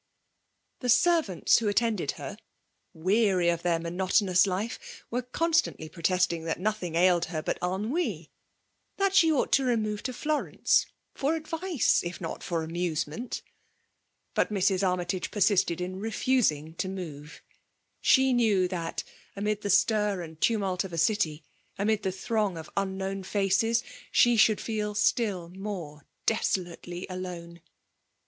The servants who attended her> weary cf their monotonous life, were constantly pro testing that nothing ailed her but ennui — that she ought to remove into Florence for advice, if not for amusement. But Mrs. Armytage pBafaited ia refotittg to mov^ : slie loam thut^ ttttidtlie stir and tmniilt of a eity~amid ^ tluoiKg of iinkBown fiEtoes — die sliotild feel stitt move desolately alone.